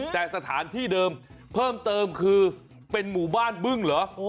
แต่สถานที่เดิมคือเป็นหมู่บ้านมึงเหรอ